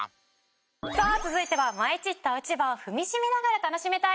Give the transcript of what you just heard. さあ続いては舞い散った落ち葉を踏みしめながら楽しみたい